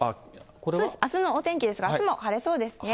あすのお天気ですが、あすも晴れそうですね。